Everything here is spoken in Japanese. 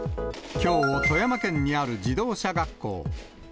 きょう、富山県にある自動車学校。